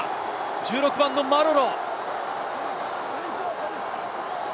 １６番のマロロ。